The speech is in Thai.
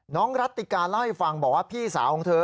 รัติกาเล่าให้ฟังบอกว่าพี่สาวของเธอ